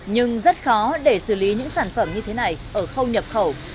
nhưng rất khó để xử lý những sản phẩm như thế này ở khâu nhập khẩu